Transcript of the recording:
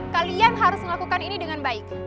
kalian harus melakukan ini dengan baik